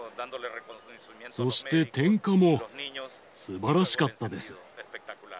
そして点火もすばらしかったです。